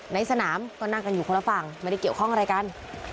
ในสนามก็นั่งกันอยู่คนละฝั่งไม่ได้เกี่ยวข้องอะไรกัน